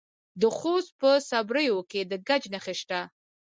د خوست په صبریو کې د ګچ نښې شته.